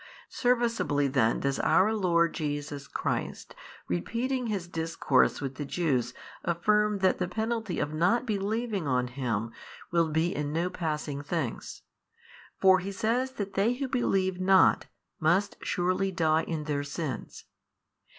Serviceably then does our Lord Jesus Christ repeating His Discourse with the Jews affirm that the penalty of not believing on Him will be in no passing things: for He says that they who believe not must surely die in their sins.